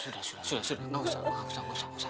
sudah sudah sudah nggak usah pak nggak usah nggak usah